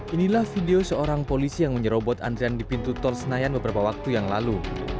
inilah video seorang polisi yang menyerobot antrian di pintu tol senayan beberapa waktu yang lalu